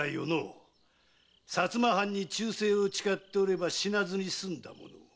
薩摩藩に忠誠を誓っておれば死なずに済んだものを。